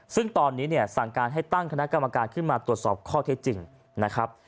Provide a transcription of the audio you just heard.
ซึ่งตอนนี้เนี่ยสั่งการให้ตั้งคณะกรรมการขึ้นมาตรวจสอบข้อเท็จจริงนะครับ